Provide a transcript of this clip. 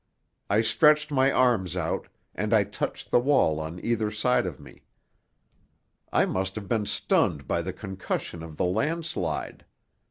I stretched my arms out, and I touched the wall on either side of me. I must have been stunned by the concussion of the landslide.